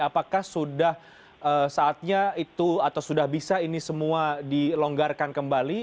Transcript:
apakah sudah saatnya itu atau sudah bisa ini semua dilonggarkan kembali